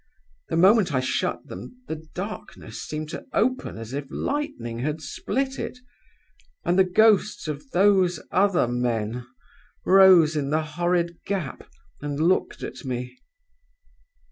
The moment I shut them, the darkness seemed to open as if lightning had split it; and the ghosts of those other men rose in the horrid gap, and looked at me.